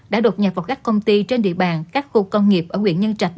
đã đột nhập vào các công ty trên địa bàn các khu công nghiệp ở quyện nhân trạch